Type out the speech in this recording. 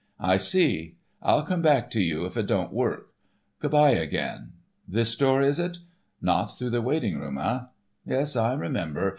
I see. I'll come back to you if it don't work. Good by again. This door, is it? Not through the waiting room, eh? Yes, I remember....